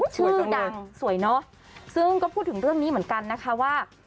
ชื่อดังสวยเนอะซึ่งก็พูดถึงเรื่องนี้เหมือนกันนะคะว่า